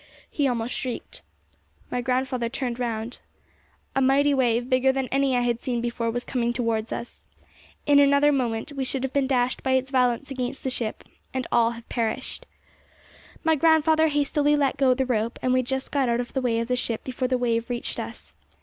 he almost shrieked. My grandfather turned round. A mighty wave, bigger than any I had seen before, was coming towards us. In another moment we should have been dashed by its violence against the ship, and all have perished. My grandfather hastily let go the rope, and we just got out of the way of the ship before the wave reached us.